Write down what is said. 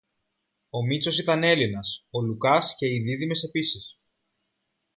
Ο Μήτσος ήταν Έλληνας, ο Λουκάς και οι δίδυμες επίσης